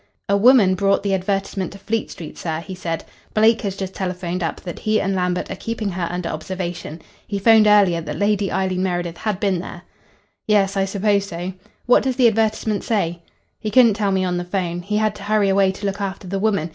"A woman brought the advertisement to Fleet Street, sir," he said. "Blake has just telephoned up that he and Lambert are keeping her under observation. He 'phoned earlier that Lady Eileen Meredith had been there." "Yes, I suppose so. What does the advertisement say?" "He couldn't tell me on the 'phone. He had to hurry away to look after the woman.